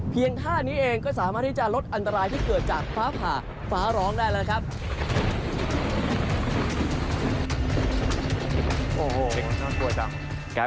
ท่านี้เองก็สามารถที่จะลดอันตรายที่เกิดจากฟ้าผ่าฟ้าร้องได้แล้วครับ